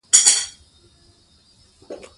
یادښتونه خلکو هڅول چې د نړۍ سفر وکړي.